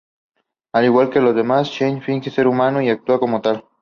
Al igual que los demás chee, finge ser un humano y actúa como tal.